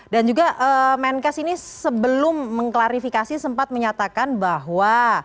dan juga menkes ini sebelum mengklarifikasi sempat menyatakan bahwa